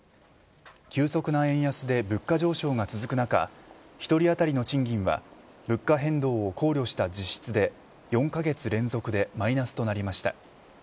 急速な円安で物価上昇が続く中１人当たりの賃金は物価変動を考慮した実質で４カ月連続でマイナスとなりました。